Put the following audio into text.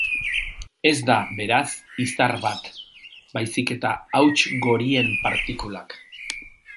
Ez da, beraz, izar bat, baizik eta hauts-gorien partikulak.